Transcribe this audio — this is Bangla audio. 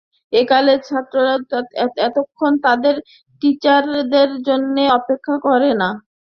একালের ছাত্ররা এতক্ষণ তাদের টিচারদের জন্যে অপেক্ষা করে না।